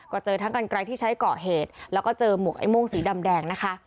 ก็เจอทั้งกันไกลที่ใช้ก่อเหตุแล้วก็เจอหมวกไอ้โม่งสีดำแดงนะคะ